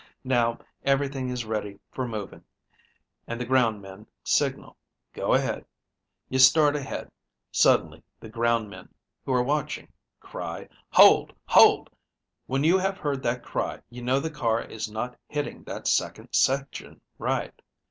Now, everything is ready for moving, and the ground men signal, 'Go ahead.' You start ahead. Suddenly the ground men, who are watching cry, 'Hold, hold.' When you have heard that cry you know the car is not hitting that second section right.